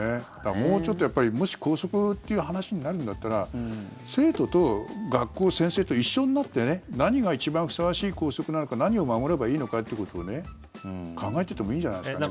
もうちょっと、もし校則という話になるんだったら生徒と学校、先生と一緒になって何が一番ふさわしい校則なのか何を守ればいいのかってことを考えていってもいいんじゃないですかね。